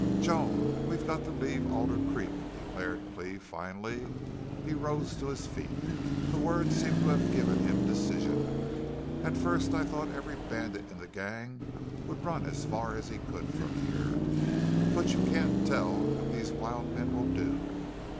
"Joan, we've got to leave Alder Creek," declared Cleve, finally. He rose to his feet. The words seemed to have given him decision. "At first I thought every bandit in the gang would run as far as he could from here. But you can't tell what these wild men will do.